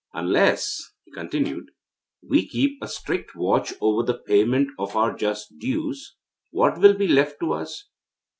'Unless,' he continued, 'we keep a strict watch over the payment of our just dues, what will be left to us?